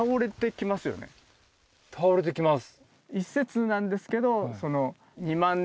倒れてきます。